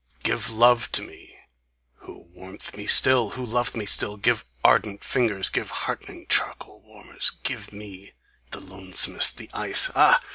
Give LOVE to me who warm'th me still? Who lov'th me still? Give ardent fingers, Give heartening charcoal warmers, Give me, the lonesomest, The ice (ah!